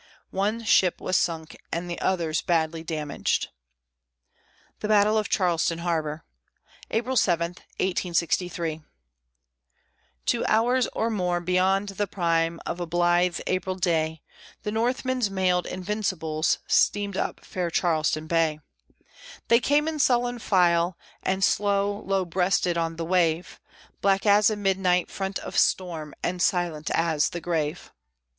One ship was sunk and the others badly damaged. THE BATTLE OF CHARLESTON HARBOR [April 7, 1863] Two hours, or more, beyond the prime of a blithe April day, The Northmen's mailed "Invincibles" steamed up fair Charleston Bay; They came in sullen file, and slow, low breasted on the wave, Black as a midnight front of storm, and silent as the grave.